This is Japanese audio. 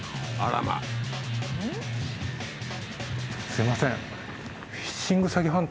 すいません。